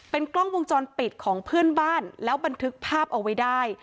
กล้องวงจรปิดของเพื่อนบ้านแล้วบันทึกภาพเอาไว้ได้